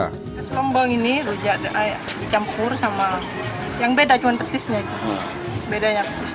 rujak lombang ini dicampur dengan petis yang beda